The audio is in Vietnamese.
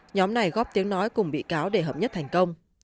nhóm này góp tiếng nói cùng bị cáo để hợp nhất thành công